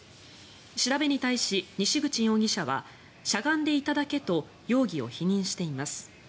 調べに対し、西口容疑者はしゃがんでいただけと容疑を否認しています。